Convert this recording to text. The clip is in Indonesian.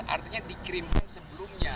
artinya dikirimkan sebelumnya